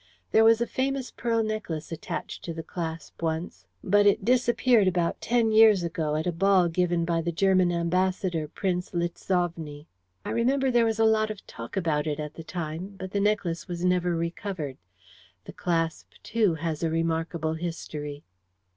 There was a famous pearl necklace attached to the clasp once, but it disappeared about ten years ago at a ball given by the German Ambassador, Prince Litzovny. I remember there was a lot of talk about it at the time, but the necklace was never recovered. The clasp, too, has a remarkable history."